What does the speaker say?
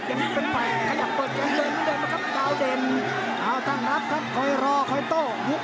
ยังไม่เป็นฝ่ายขยับเปิดกันเต็มได้มาครับ